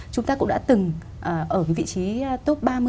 chúng ta cũng đã từng ở vị trí top ba mươi